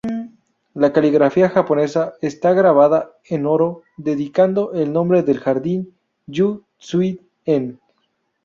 La caligrafía japonesa está grabada en oro, dedicando el nombre del jardín ‘yu-tsui-en’.